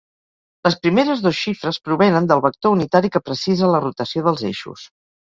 Les primeres dos xifres provenen del vector unitari que precisa la rotació dels eixos.